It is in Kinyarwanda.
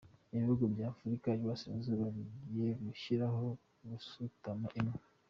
Ibihugu by’Afurika y’i Burasirazuba bigiye gushyiraho gasutamo imwe